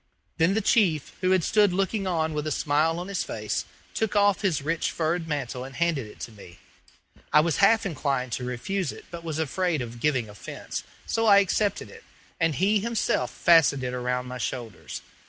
Then the chief, who had stood looking on with a smile on his face took off his rich furred mantle and handed it to me. I was half inclined to refuse it, but was afraid of giving offence, so I accepted it, and he himself fastened it around my shoulders.